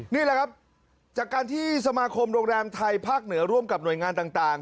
นี่แหละครับจากการที่สมาคมโรงแรมไทยภาคเหนือร่วมกับหน่วยงานต่าง